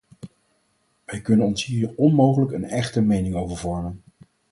Wij kunnen ons hier onmogelijk een echte mening over vormen.